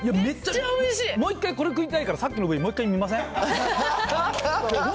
もう一回、これ食いたいから、さっきのＶ、もう一回見ません？